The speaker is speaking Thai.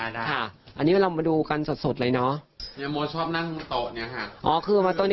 อันนี้เรามาดูกันสดเลยเนาะ